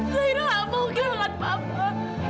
zahira amoh kejamkan papa